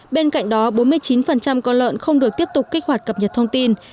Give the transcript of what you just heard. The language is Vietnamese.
bên cạnh đó bốn mươi chín con lợn không được tiếp tục kích hoạt cập nhật thông tin